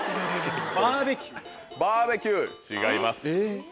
違います。